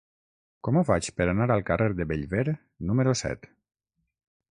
Com ho faig per anar al carrer de Bellver número set?